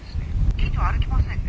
近所を歩きませんね。